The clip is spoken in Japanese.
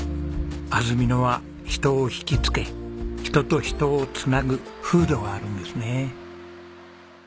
安曇野は人を引きつけ人と人を繋ぐ風土があるんですね。